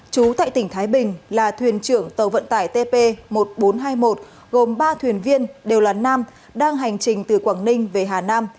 chú tại tỉnh thái bình là thuyền trưởng tàu vận tải tp một nghìn bốn trăm hai mươi một gồm ba thuyền viên đều là nam đang hành trình từ quảng ninh về hà nam